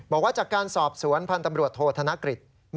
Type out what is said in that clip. บอกว่าจากการสอบสวนพันธ์ตำรวจโทษธนกฤษ